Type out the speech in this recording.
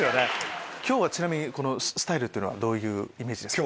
今日はちなみにこのスタイルはどういうイメージですか？